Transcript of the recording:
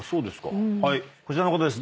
こちらの方です。